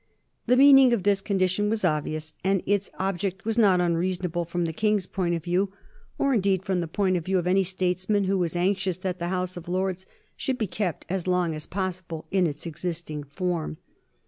The meaning of this condition was obvious, and its object was not unreasonable from the King's point of view, or, indeed, from the point of view of any statesman who was anxious that the House of Lords should be kept as long as possible in its existing form.